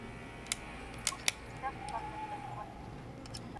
که اصول نه وي نو نظم نه رامنځته کيږي.